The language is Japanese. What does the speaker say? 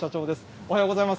おはようございます。